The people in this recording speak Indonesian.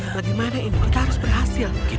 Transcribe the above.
bagaimana ini kita harus berhasil